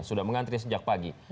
sudah mengantri sejak pagi